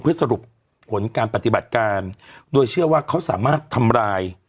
เพื่อสรุปผลการปฏิบัติการโดยเชื่อว่าเขาสามารถทำร้าย